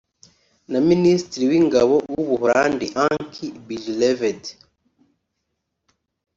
na Minisitiri w’Ingabo w’u Buholandi Ank Bijleved